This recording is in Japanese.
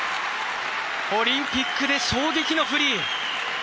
オリンピックで衝撃のフリー。